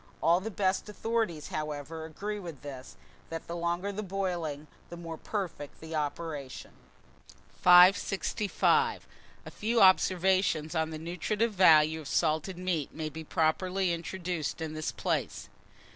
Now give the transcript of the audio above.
All the best authorities, however, agree in this, that the longer the boiling the more perfect the operation. 565. A FEW OBSERVATIONS ON THE NUTRITIVE VALUE OF SALTED MEAT may be properly introduced in this place.